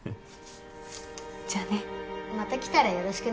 じゃあね。また来たらよろしくね。